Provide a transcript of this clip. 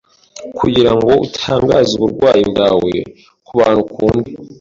kugirango utangaze uburwayi bwawe kubantu ukunda